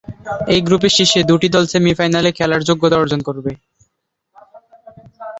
এই গ্রুপের শীর্ষ দুটি দল সেমি-ফাইনালে খেলার যোগ্যতা অর্জন করবে।